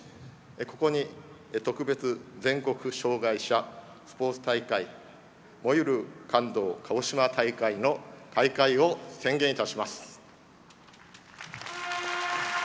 ここに特別全国障害者スポーツ大会「燃ゆる感動かごしま大会」の開会を宣言いたします。